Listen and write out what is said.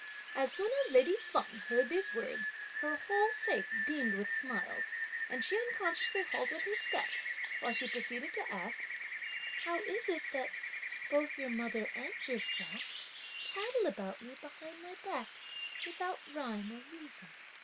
'" As soon as lady Feng heard these words, her whole face beamed with smiles, and she unconsciously halted her steps, while she proceeded to ask: "How is it that, both your mother and yourself, tattle about me behind my back, without rhyme or reason?"